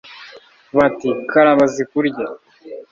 bati «karaba zikurye»